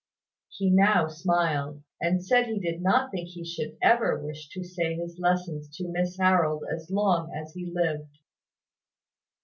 He now smiled, and said he did not think he should ever wish to say his lessons to Miss Harold as long as he lived.